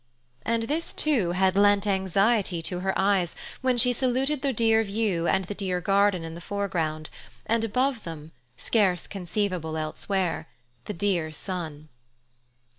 And this too had lent anxiety to her eyes when she saluted the dear view and the dear garden in the foreground, and above them, scarcely conceivable elsewhere, the dear sun.